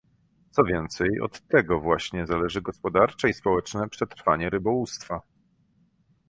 Co więcej, od tego właśnie zależy gospodarcze i społeczne przetrwanie rybołówstwa